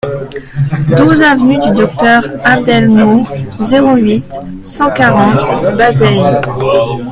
douze avenue du Docteur Abd El Nour, zéro huit, cent quarante, Bazeilles